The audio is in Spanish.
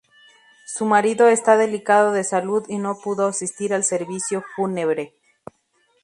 Su marido está delicado de salud y no pudo asistir al servicio fúnebre.